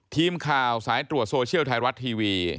ทีมข่าวสายตรวจโซเชียลไทยรัฐทีวี